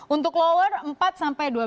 untuk lower empat sampai dua belas